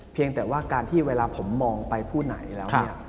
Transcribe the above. เพียงแต่ว่าการที่เวลาผมมองไปผู้ไหนแล้วเนี่ย